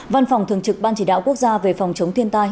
văn phòng thường trực ban chỉ đạo quốc gia về phòng chống thiên tai